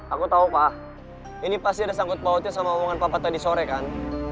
aku tahu pak ini pasti ada sangkut pautnya sama omongan papa tadi sore kan